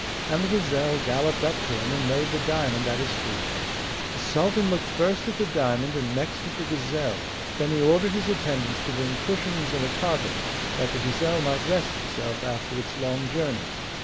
And the gazelle galloped up to him, and laid the diamond at his feet. The sultan looked first at the diamond and next at the gazelle; then he ordered his attendants to bring cushions and a carpet, that the gazelle might rest itself after its long journey.